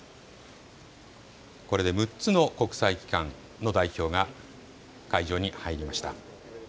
これで６つの国際機関の代表が会場に入りました。